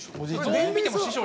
どう見ても師匠。